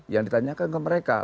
yang ditanyakan ke mereka